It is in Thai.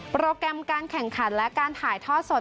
โปรแกรมการแข่งขันและการถ่ายทอดสด